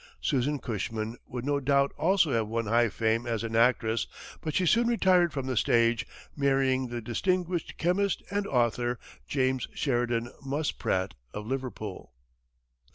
Susan Cushman would no doubt also have won high fame as an actress, but she soon retired from the stage, marrying the distinguished chemist and author, James Sheridan Muspratt, of Liverpool.